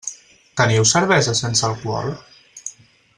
Teniu cervesa sense alcohol?